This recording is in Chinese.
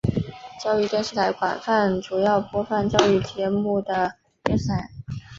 教育电视台泛指主要播放教育节目的电视台。